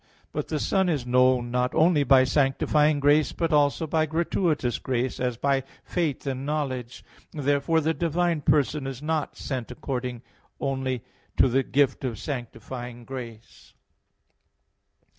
But the Son is known not only by sanctifying grace, but also by gratuitous grace, as by faith and knowledge. Therefore the divine person is not sent only according to the gift of sanctifying grace.